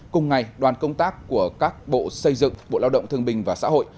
cùng ngày đoàn công tác của các bộ xây dựng bộ lao động thương bình và xã hội